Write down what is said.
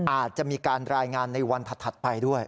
อาจจะมีการรายงานในวันถัดไปด้วย